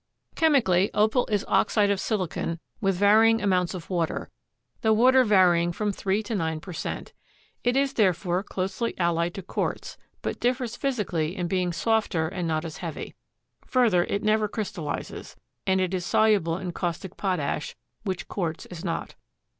Chemically, Opal is oxide of silicon with varying amounts of water, the water varying from 3 to 9 per cent. It is, therefore, closely allied to quartz, but differs physically in being softer and not as heavy. Further, it never crystallizes, and it is soluble in caustic potash, which quartz is not.